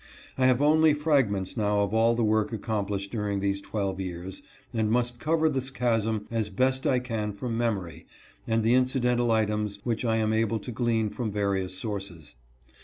I have only frag ments now of all the work accomplished during these twelve years, and must cover this chasm as best I can from memory, and the incidental items which 1 am able to glean from various sources.